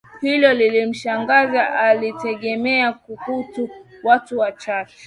Hilo lilimshangaza alitegemea kukutu watu wachache